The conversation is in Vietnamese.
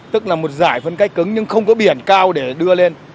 tức là một giải phân cách cứng nhưng không có biển cao để đưa lên